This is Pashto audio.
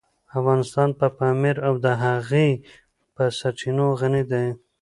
افغانستان په پامیر او د هغې په سرچینو غني دی.